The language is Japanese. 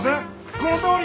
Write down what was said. このとおり！